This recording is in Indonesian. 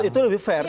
itu lebih fair